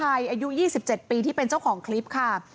อายุ๒๗ปีที่เป็นเจ้าของคลิปค่ะ